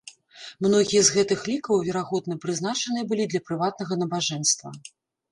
Многія з гэтых лікаў, верагодна, прызначаныя былі для прыватнага набажэнства.